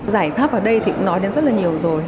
giải pháp ở đây thì cũng nói đến rất là nhiều rồi